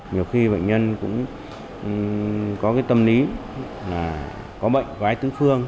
nhiều khi bệnh nhân cũng có tâm lý là có bệnh có ai tứ phương